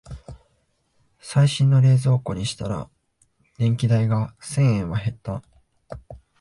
最新の冷蔵庫にしたら電気代が千円は減った